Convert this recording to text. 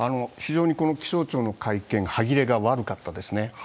非常に気象庁の会見、歯切れが悪かったですね。